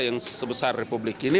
yang sebesar republik ini